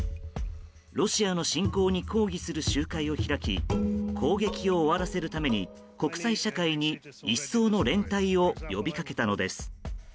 ロシアの侵攻に抗議する集会を開き攻撃を終わらせるために国際社会に一層の連帯を呼びかけたのです。